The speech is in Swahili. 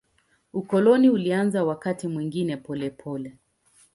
Ukoloni ulianza wakati mwingine polepole.